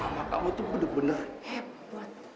mama kamu tuh benar benar hebat